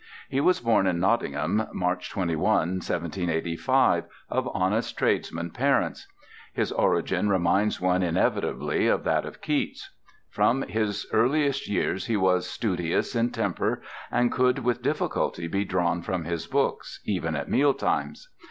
He was born in Nottingham, March 21, 1785, of honest tradesman parents; his origin reminds one inevitably of that of Keats. From his earliest years he was studious in temper, and could with difficulty be drawn from his books, even at mealtimes.